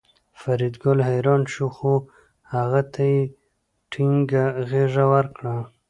فریدګل حیران شو خو هغه ته یې ټینګه غېږه ورکړه